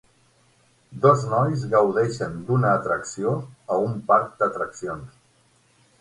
Dos nois gaudeixen d'una atracció a un parc d'atraccions.